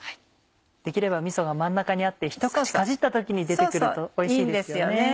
できればみそが真ん中にあってひと口かじった時に出て来るとおいしいんですよね。